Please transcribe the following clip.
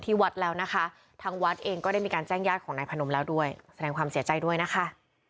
ทางวัดเองก็ได้มีการแจ้งญาติของนายพนมแล้วด้วยแสดงความเสียใจด้วยนะคะ